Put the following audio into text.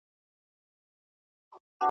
ننګول مي زیارتونه هغه نه یم `